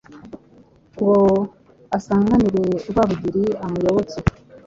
ngo asanganire Rwabugiri amuyoboke